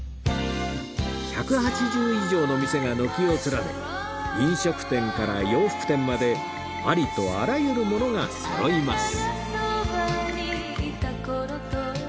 １８０以上の店が軒を連ね飲食店から洋服店までありとあらゆるものがそろいます